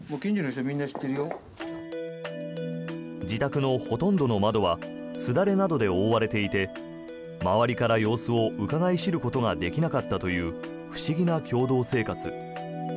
自宅のほとんどの窓はすだれなどで覆われていて周りから様子をうかがい知ることができなかったという不思議な共同生活。